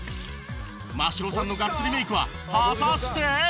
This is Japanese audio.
真城さんのガッツリメイクは果たして？